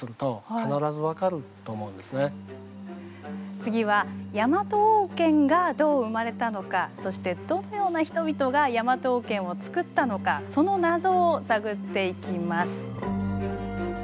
次はヤマト王権がどう生まれたのかそしてどのような人々がヤマト王権をつくったのかその謎を探っていきます。